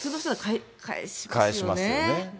返しますよね。